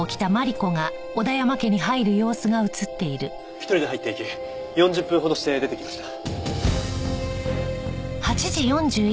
１人で入っていき４０分ほどして出てきました。